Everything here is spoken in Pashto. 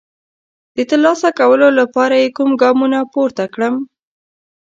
د ترلاسه کولو لپاره یې کوم ګامونه پورته کړم؟